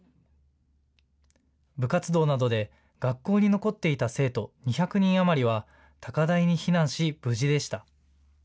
部活動などで学校に残っていた生徒２００人余りは、高台に避難し、無事でした。